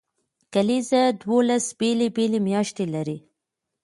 کلیزه دولس بیلې بیلې میاشتې لري.